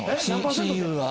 親友は。